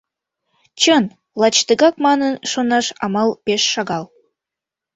Чын, лач тыгак манын шонаш амал пеш шагал.